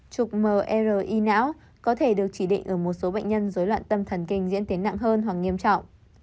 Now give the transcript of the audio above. chụp mri não có thể được chỉ định ở một số bệnh nhân dối loạn tâm thần kinh diễn tiến nặng hơn hoặc nghiêm trọng